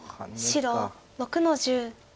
白６の十。